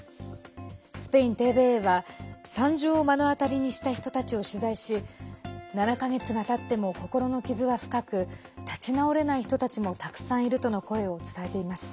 スペインＴＶＥは、惨状を目の当たりにした人たちを取材し７か月がたっても、心の傷は深く立ち直れない人たちもたくさんいるとの声を伝えています。